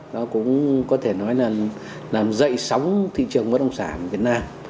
nó cũng có thể nói là làm dậy sóng thị trường bất động sản việt nam